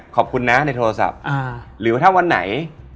กลัวไหม